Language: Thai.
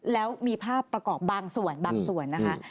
แล้วมีภาพประกอบบางส่วนบางส่วนนะคะ